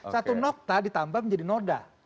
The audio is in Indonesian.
satu nokta ditambah menjadi noda